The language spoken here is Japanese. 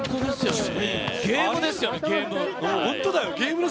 ゲームですよね、ゲーム。